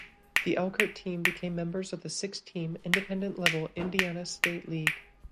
The Elkhart team became members of the six–team Independent level Indiana State League.